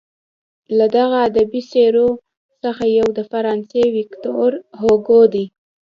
له دغو ادبي څیرو څخه یو د فرانسې ویکتور هوګو دی.